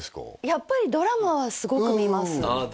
やっぱりドラマはすごく見ますああ